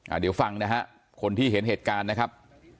เดี๋ยวฟังนะฮะคนที่เห็นเหตุการณ์นะครับ